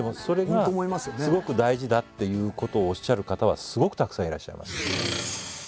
それがすごく大事だっていうことをおっしゃる方はすごくたくさんいらっしゃいます。